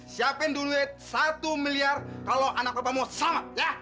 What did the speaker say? siapin duit satu miliar kalau anak bapak mau samet ya